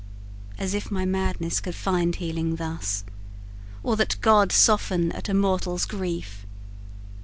As if my madness could find healing thus, Or that god soften at a mortal's grief!